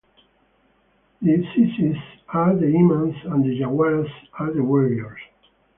The Ceesays are the Imams and the Jawaras are the warriors.